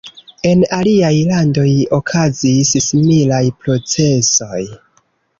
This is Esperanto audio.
En aliaj landoj okazis similaj procesoj.